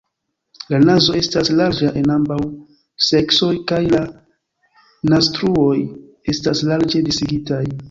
La nazo estas larĝa en ambaŭ seksoj kaj la naztruoj estas larĝe disigitaj.